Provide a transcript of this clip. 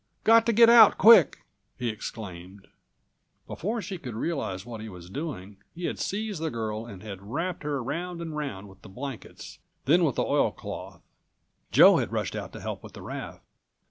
"Got to get out quick!" he exclaimed. Before she could realize what he was doing, he had seized the girl and had wrapped her round and round with the blankets, then with the oiled cloth. Joe had rushed out to help with the raft.